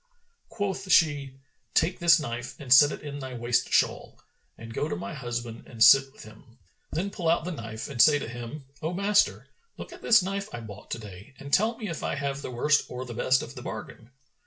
Quoth she, "Take this knife and set it in thy waist shawl and go to my husband and sit with him. Then pull out the knife and say to him, 'O master, look at this knife I bought to day and tell me if I have the worst or the best of the bargain.'